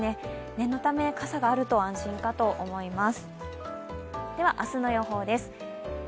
念のため、傘があると安心かと思います。